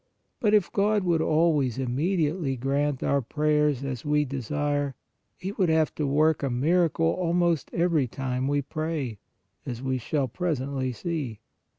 But if God would always immediately grant our prayers as we desire, He would have to work a miracle almost every time we pray, as we shall presently see.